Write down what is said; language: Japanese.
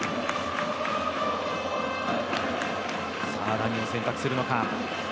何を選択するのか。